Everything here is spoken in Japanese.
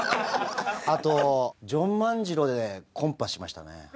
あとジョン万次郎でコンパしましたね。